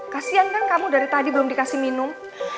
kasian kan kamu dari tadi belum dikasih minum